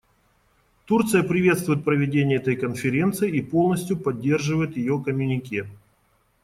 Турция приветствует проведение этой конференции и полностью поддерживает ее коммюнике.